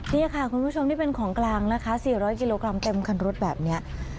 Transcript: นี่ค่ะคุณผู้ชมนี่เป็นของกลางนะคะ๔๐๐กิโลกรัมเต็มคันรถแบบนี้